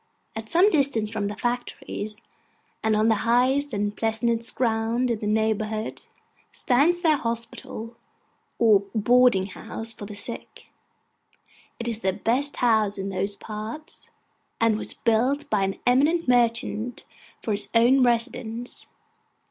At some distance from the factories, and on the highest and pleasantest ground in the neighbourhood, stands their hospital, or boarding house for the sick: it is the best house in those parts, and was built by an eminent merchant for his own residence.